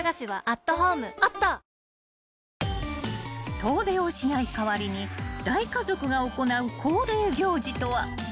［遠出をしない代わりに大家族が行う恒例行事とは］